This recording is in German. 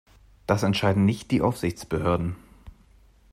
Das entscheiden nicht die Aufsichtsbehörden.